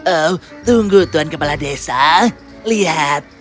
oh tunggu tuan kepala desa lihat